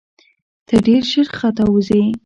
ته ډېر ژر ختاوزې !